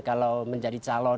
kalau menjadi calon